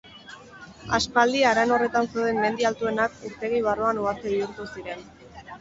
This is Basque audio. Aspaldi haran horretan zeuden mendi altuenak urtegi barruan uharte bihurtu ziren.